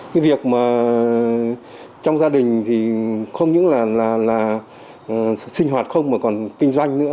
cái việc mà trong gia đình thì không những là sinh hoạt không mà còn kinh doanh nữa